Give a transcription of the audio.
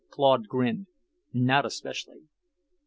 Claude grinned. "Not especially."